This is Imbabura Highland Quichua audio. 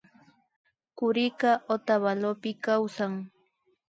Kurika Otavalopi kawsan